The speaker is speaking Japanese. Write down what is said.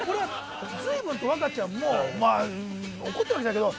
随分と若ちゃんも怒ってはいないけど